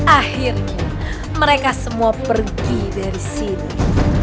akhirnya mereka semua pergi dari sini